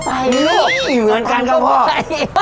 สตังก็ไปอยู่เหมือนกันครับพ่อ